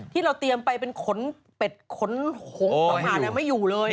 ที่เราเตรียมไปเป็นขนเป็ดขนหงอาหารไม่อยู่เลย